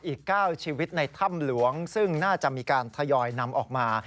อีก๙ชีวิตในถ้ำหลวงซึ่งน่าจะมีการทยอยนำออกมา